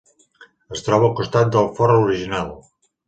Es troba al costat del fort original.